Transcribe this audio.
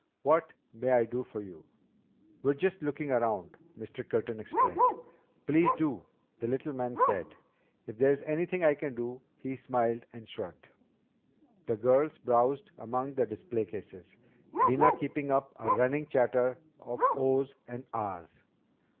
"What may I do for you?" "We're just looking around," Mr. Curtin explained. "Please do," the little man said. "If there is anything I can do " He smiled and shrugged. The girls browsed among the display cases; Nina keeping up a running chatter of "oh's" and "ah's."